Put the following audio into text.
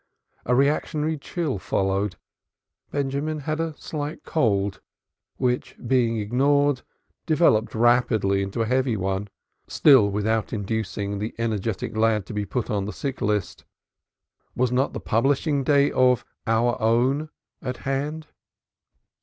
A reactionary chill followed. Benjamin had a slight cold, which being ignored, developed rapidly into a heavy one, still without inducing the energetic lad to ask to be put upon the sick list. Was not the publishing day of Our Own at hand?